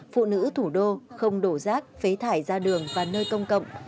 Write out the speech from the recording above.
phụ nữ thủ đô không đổ rác phế thải ra đường và nơi công cộng